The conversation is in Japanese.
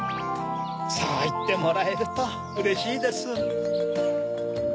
そういってもらえるとうれしいです。